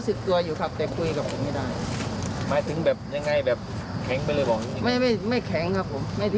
ผมก็พยายามอุ้มแล้วก็รีบพาไปขึ้นรถ